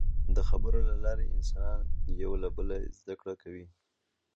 د خبرو له لارې انسانان یو له بله زدهکړه کوي.